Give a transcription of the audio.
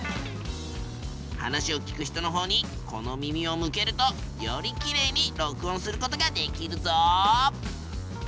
話を聞く人のほうにこの耳を向けるとよりきれいに録音することができるぞ。